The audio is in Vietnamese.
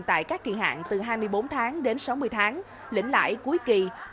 tại các kỳ hạn từ hai mươi bốn tháng đến sáu mươi tháng lĩnh lãi cuối kỳ